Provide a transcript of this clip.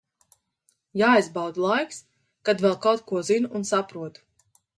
Jāizbauda laiks, kad vēl kaut ko zinu un saprotu.